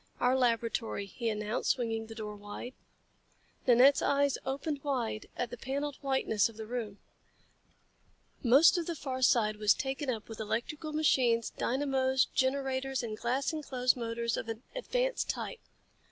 "Our laboratory," he announced, swinging the door wide. Nanette's eyes opened wide at the paneled whiteness of the room. Most of the far side was taken up with electrical machines, dynamos, generators and glass enclosed motors of an advanced type.